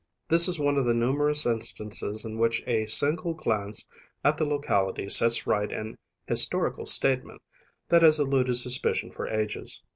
This is one of the numerous instances in which a single glance at the locality sets right an historical statement that has eluded suspicion for ages.